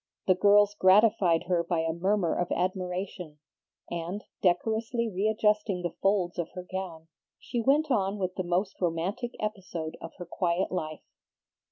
The girls gratified her by a murmur of admiration, and, decorously readjusting the folds of her gown, she went on with the most romantic episode of her quiet life.